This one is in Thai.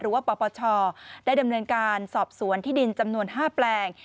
ปปชได้ดำเนินการสอบสวนที่ดินจำนวน๕แปลง